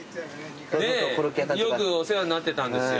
よくお世話になってたんですよ。